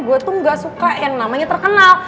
gue tuh gak suka yang namanya terkenal